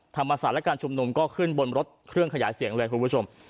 ธรรมศาสตร์และการชุมนุมก็ขึ้นบนรถเครื่องขยายเสียงเลยคุณผู้ชม